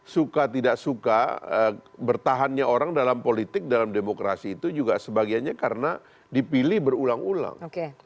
suka tidak suka bertahannya orang dalam politik dalam demokrasi itu juga sebagiannya karena dipilih berulang ulang